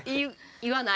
言わない。